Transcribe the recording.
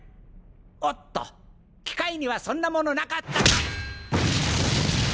おっと機械にはそんなものなかったか。